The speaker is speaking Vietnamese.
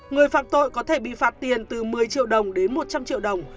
người phạm tội có thể bị phạt tiền từ một mươi triệu đồng đến một trăm linh triệu đồng